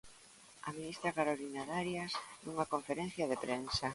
A ministra Carolina Darias nunha conferencia de prensa.